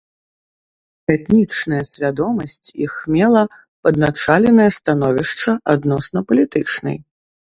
Этнічная свядомасць іх мела падначаленае становішча адносна палітычнай.